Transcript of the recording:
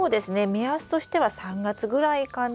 目安としては３月ぐらいかな？